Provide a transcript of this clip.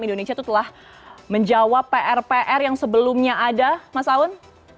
indonesia itu telah menjawab pr pr yang sebelumnya ada mas aun